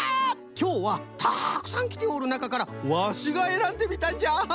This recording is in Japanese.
きょうはたくさんきておるなかからわしがえらんでみたんじゃ！